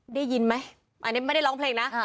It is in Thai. ได้ยินไหมอันนี้ไม่ได้ร้องเพลงนะ